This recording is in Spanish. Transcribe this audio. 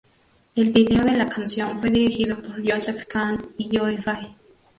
El video de la canción fue dirigido por Joseph Kahn y Joe Rey.